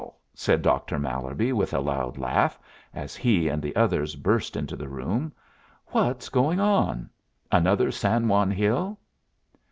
said Doctor Mallerby, with a loud laugh, as he and the others burst into the room. "What's going on? Another San Juan Hill?"